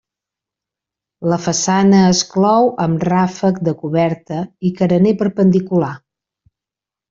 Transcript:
La façana es clou amb ràfec de coberta i carener perpendicular.